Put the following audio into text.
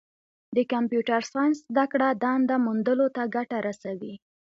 د کمپیوټر ساینس زدهکړه دنده موندلو ته ګټه رسوي.